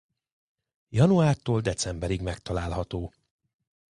Januártól decemberig megtalálható.